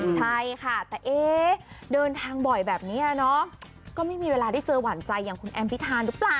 ใช่ค่ะแต่เอ๊ะเดินทางบ่อยแบบนี้ก็ไม่มีเวลาได้เจอหวานใจอย่างคุณแอมพิธานหรือเปล่า